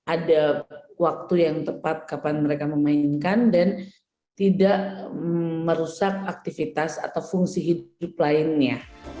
ada waktu yang tepat kapan mereka memainkan dan tidak merusak aktivitas atau fungsi hidup lainnya